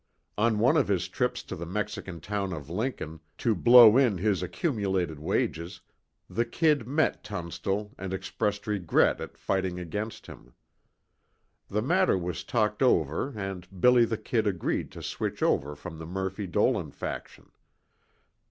On one of his trips to the Mexican town of Lincoln, to "blow in" his accumulated wages, the "Kid" met Tunstall, and expressed regret at fighting against him. The matter was talked over and "Billy the Kid" agreed to switch over from the Murphy Dolan faction.